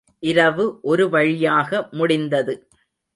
இரவு ஒரு வழியாக முடிந்தது.